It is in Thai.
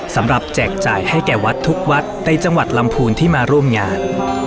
แจกจ่ายให้แก่วัดทุกวัดในจังหวัดลำพูนที่มาร่วมงาน